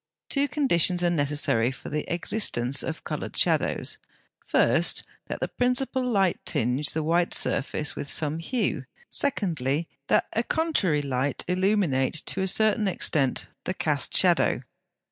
Two conditions are necessary for the existence of coloured shadows: first, that the principal light tinge the white surface with some hue; secondly, that a contrary light illumine to a certain extent the cast shadow.